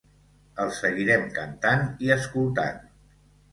El seguirem cantant i escoltant.